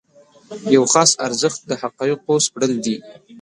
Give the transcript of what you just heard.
یو خاص ارزښت د حقایقو سپړل دي.